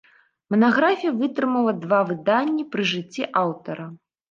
Манаграфія вытрымала два выданні пры жыцці аўтара.